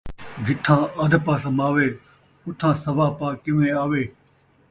جتھاں ادھ پا سماوے، اُتھاں سوا پاء کیویں آوے